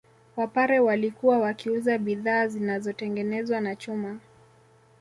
Wapare walikuwa wakiuza bidhaa zinazotengenezwa na chuma